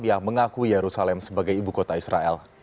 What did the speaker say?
yang mengakui yerusalem sebagai ibu kota israel